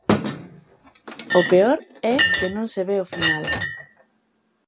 O peor é que non se ve o final.